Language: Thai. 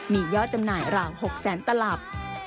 มีย่อจำหน่ายหล่าง๖๐๐๐๐๐ตลับ